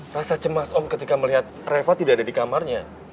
rasa cemas om ketika melihat reva tidak ada di kamarnya